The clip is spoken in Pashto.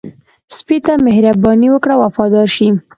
سپي ته مهرباني وکړه، وفاداره شي.